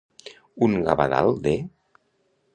Un gavadal de.